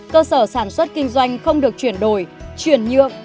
cơ sở sản xuất kinh doanh không được chuyển đổi chuyển nhượng